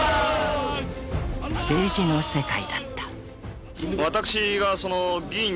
［政治の世界だった］